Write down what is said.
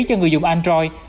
cho người dùng android